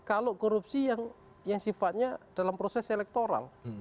kalau korupsi yang sifatnya dalam proses elektoral